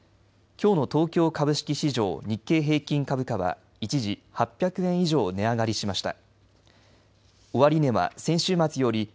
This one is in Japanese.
きょうの東京株式市場日経平均株価は一時８００円以上値上がりしました。